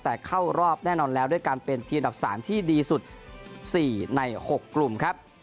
แต่เข้ารอบแน่นอนแล้วด้วยการเป็นทีมดับ๓ที่ดีสุด๔ใน๖กลุ่มครับ